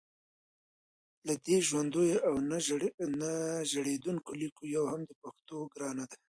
له دې ژوندیو او نه زړېدونکو لیکونو یوه هم د پښتو ګرانه ده